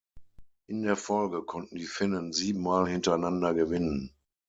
In der Folge konnten die Finnen sieben Mal hintereinander gewinnen.